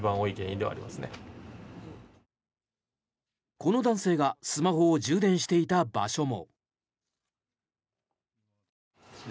この男性がスマホを充電していた場所も。